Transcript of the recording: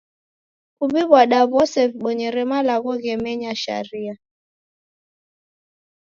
Kuw'iw'ada w'ose w'ibonyere malagho ghemenya sharia.